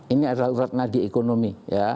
ini adalah urat nadie ekonomi